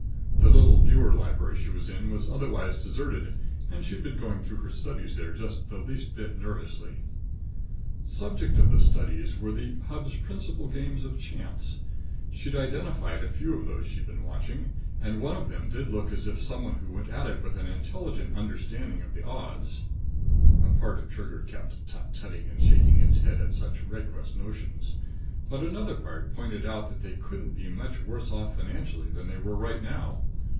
The little viewer library she was in was otherwise deserted, and she'd been going about her studies there just the least bit nervously. Subject of the studies were the Hub's principal games of chance. She'd identified a few of those she'd been watching and one of them did look as if someone who went at it with an intelligent understanding of the odds A part of Trigger kept tut tutting and shaking its head at such reckless notions. But another part pointed out that they couldn't be much worse off financially than they were right now.